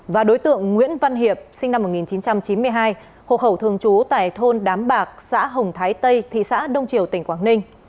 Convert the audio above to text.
và đối tượng nguyễn văn hiệp sinh năm một nghìn chín trăm chín mươi hai hộ khẩu thường trú tại thôn đám bạc xã hồng thái tây thị xã đông triều tỉnh quảng ninh